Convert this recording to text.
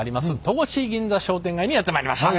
戸越銀座商店街にやって参りました。